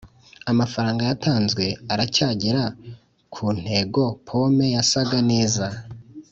[amafaranga yatanzwe aracyagera ku ntego pome yasaga neza,